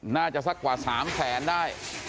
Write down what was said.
น่าจะสักกว่าสามแขนได้